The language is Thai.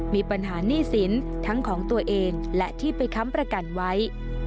มีปัญหาหนี้สินทั้งของตัวเองและที่ไปค้ำประกันไว้